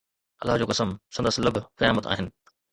الله جو قسم، سندس لب قيامت آهن